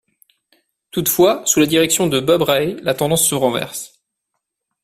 Toutefois, sous la direction de Bob Rae, la tendance se renverse.